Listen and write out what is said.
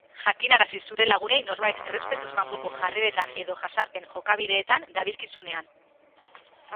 Jakinarazi zure lagunei norbait errespetuz kanpoko jarreretan edo jazarpen jokabideetan dabilkizunean.